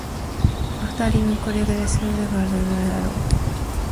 After leaving Congress, Ferdinand Brucker resumed the practice of law.